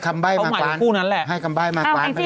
แม่หมอ